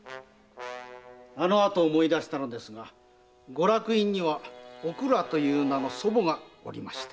あのあと思い出したのですがご落胤には「おくら」という名の祖母がおりました。